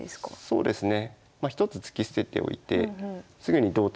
そうですね。